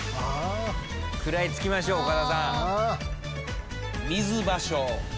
食らいつきましょう岡田さん。